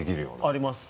あります。